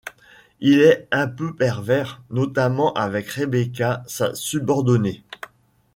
Il est un peu pervers, notamment avec Rebecca, sa subordonnée.